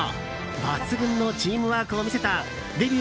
抜群のチームワークを見せたデビュー